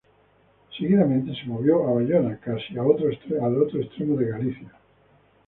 Seguidamente se movió a Bayona, casi al otro extremo de Galicia.